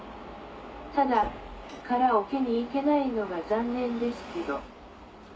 ただカラオケに行けないのが残念ですけど。